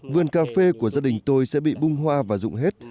vườn cà phê của gia đình tôi sẽ bị bung hoa và rụng hết